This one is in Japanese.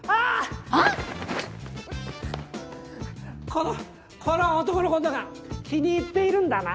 このこの男のことが気に入っているんだな？